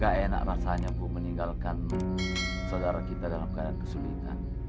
gak enak rasanya bu meninggalkan saudara kita dalam keadaan kesulitan